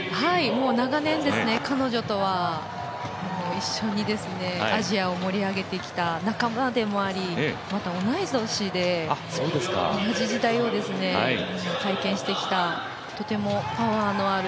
長年、彼女とは一緒にアジアを盛り上げてきた仲間でもありまた、同い年で同じ時代を体験してきたとてもパワーのある。